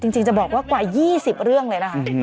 จริงจะบอกว่ากว่า๒๐เรื่องเลยนะคะ